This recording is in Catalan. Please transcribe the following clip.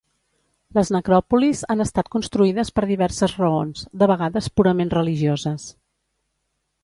Les necròpolis han estat construïdes per diverses raons; de vegades purament religioses.